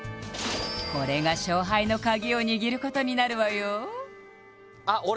これが勝敗のカギを握ることになるわよ